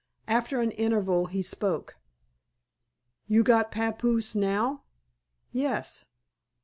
After an interval he spoke. "You got papoose now?" "Yes."